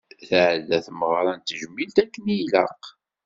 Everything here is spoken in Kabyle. Tεedda tmeɣra n tejmilt akken ilaq.